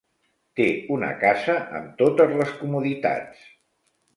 Té una casa amb totes les comoditats.